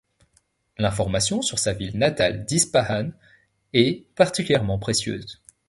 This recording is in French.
L’information sur sa ville natale d’Ispahan est particulièrement précieuse.